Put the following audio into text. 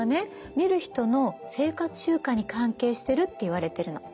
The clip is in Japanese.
見る人の生活習慣に関係してるっていわれてるの。